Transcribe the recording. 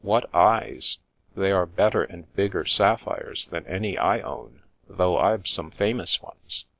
What eyes ! They are better and bigger sapphires than any I own, though I've some famous ones.